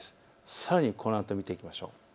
さらにこのあと見ていきましょう。